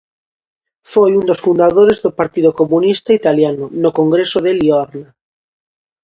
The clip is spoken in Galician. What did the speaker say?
Foi un dos fundadores do Partido Comunista Italiano no congreso de Liorna.